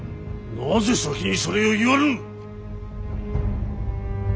なぜ先にそれを言わぬ！